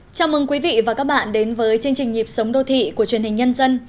chào mừng quý vị và các bạn đến với chương trình nhịp sống đô thị của truyền hình nhân dân